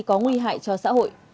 có nguy hại cho xã hội